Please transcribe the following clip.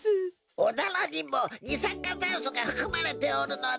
おならにもにさんかたんそがふくまれておるのだ。